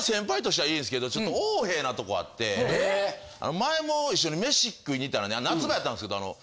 前も一緒にメシ食いに行ったら夏場やったんですけど。